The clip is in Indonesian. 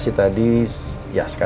tidak ada apa apa